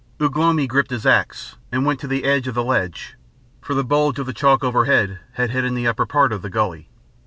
Ugh lomi gripped his axe, and went to the edge of the ledge, for the bulge of the chalk overhead had hidden the upper part of the gully.